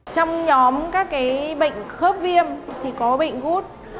trong nhóm các bệnh khớp viêm thì có bệnh gút